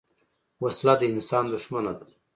وسله د انسان دښمنه ده